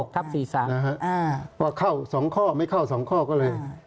๖๓ครับ๔๓นะครับว่าเข้า๒ข้อไม่เข้า๒ข้อก็เลย